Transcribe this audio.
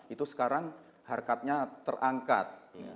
itu sekarang harkatnya terangkat